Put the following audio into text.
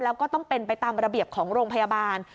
แล้วก็ต้องเป็นไปตามระเบียบของโรงพยาบาล